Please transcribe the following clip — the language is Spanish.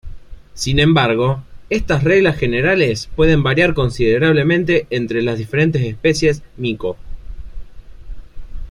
Sin embargo, estas reglas generales pueden variar considerablemente entre las diferentes especies "Mico".